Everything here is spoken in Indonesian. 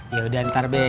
yaudah ntar be